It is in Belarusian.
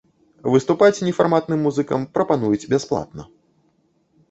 Выступаць нефарматным музыкам прапануюць бясплатна.